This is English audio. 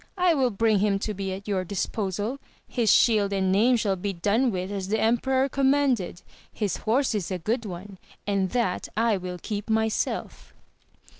I will bring him to be at your disposal ; his shield and name shall be done with as the emperor commanded : his horse is a good one, and that I will keep myself.